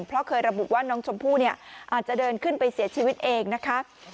เพราะเคยระบุว่าน้องชมพู่เนี่ยอาจจะเดินขึ้นไปเสียชีวิตเองนะคะ